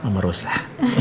mama rose lah